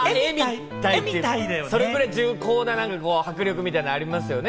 それぐらい重厚な迫力みたいなのがありますよね。